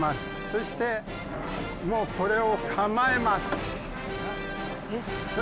そしてもうこれを構えます。